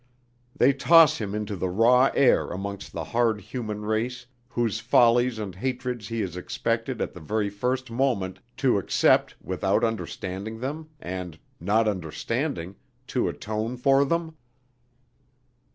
They toss him into the raw air amongst the hard human race whose follies and hatreds he is expected at the very first moment to accept without understanding them and, not understanding, to atone for them.